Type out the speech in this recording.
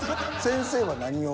先生は何を？